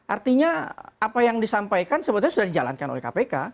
artinya apa yang disampaikan sebetulnya sudah dijalankan oleh kpk